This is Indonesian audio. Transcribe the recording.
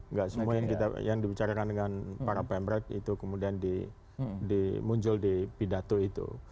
nggak semua yang dibicarakan dengan para pemret itu kemudian muncul di pidato itu